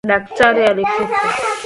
Daktari alikufa